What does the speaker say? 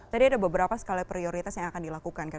tadi ada beberapa skala prioritas yang akan dilakukan kan